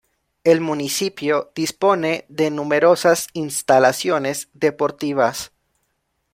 El municipio dispone de numerosas instalaciones deportivas.